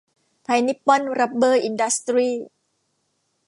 ไทยนิปปอนรับเบอร์อินดัสตรี้